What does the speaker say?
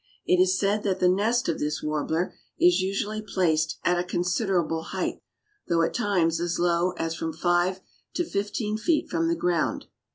It is said that the nest of this Warbler is usually placed at a considerable height, though at times as low as from five to fifteen feet from the ground.